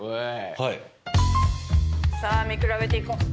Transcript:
さあ見比べていこう。